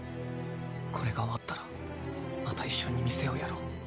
これが終わったらまた一緒に店をやろう。